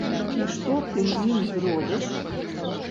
І што ты ім зробіш?